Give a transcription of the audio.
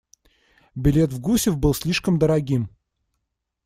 Билет в Гусев был слишком дорогим.